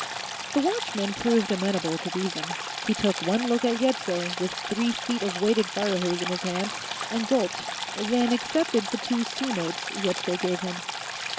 The watchman proved amenable to reason. He took one look at Yetsko, with three feet of weighted fire hose in his hand, and gulped, then accepted the two C notes Yetsko gave him.